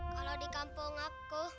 kalau di kampung aku